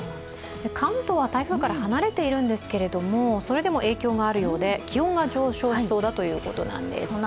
関東は台風から離れているんですが、それでも影響があるようで気温が上昇しそうだということなんです。